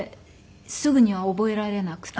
すぐには覚えられなくて。